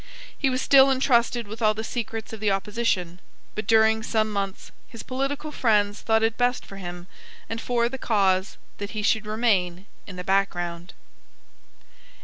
He was still entrusted with all the secrets of the opposition: but during some months his political friends thought it best for himself and for the cause that he should remain in the background.